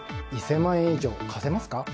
１０００万円以上貸せますか？